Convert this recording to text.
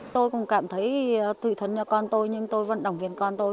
tôi cũng cảm thấy tự thân cho con tôi nhưng tôi vẫn động viên con tôi